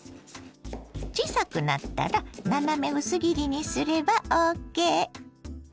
小さくなったら斜め薄切りにすればＯＫ。